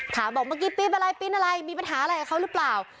บอกเมื่อกี้ปี๊บอะไรปีนอะไรมีปัญหาอะไรกับเขาหรือเปล่า